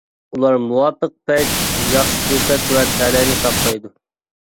ئۇلار مۇۋاپىق پەيت، ياخشى پۇرسەت ۋە تەلەينى ساقلايدۇ.